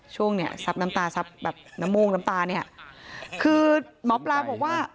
ช่วงเนี่ยซับน้ำตาซับแบบน้ำโม่งน้ำตาเนี่ยคือหมอปลาบอกว่า